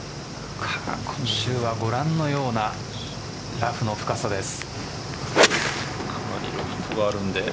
ご覧のようなラフの深さです。